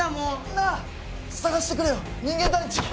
なあ捜してくれよ人間探知機。